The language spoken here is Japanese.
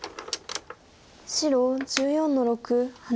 白１４の六ハネ。